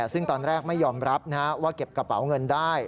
ซึ่งตอนแรกไม่ยอมรับว่าเก็บกระเป๋าเงินได้